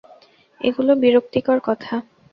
এগুলো বিরক্তিকর কথা।